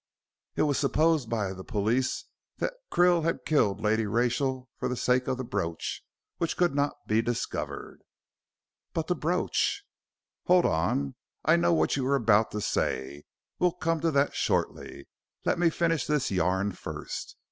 It was supposed by the police that Krill had killed Lady Rachel for the sake of the brooch, which could not be discovered " "But the brooch " "Hold on. I know what you are about to say. We'll come to that shortly. Let me finish this yarn first.